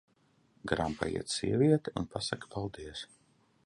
Garām paiet kāda sieviete un pasaka: "Paldies!"